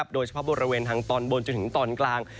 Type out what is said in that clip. โดยเฉพาะบริเวณทางตอนบนจนถึงตอนกลาง